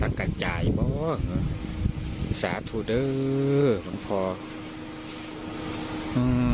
อันนี้สาธุเด้อหลงพออืม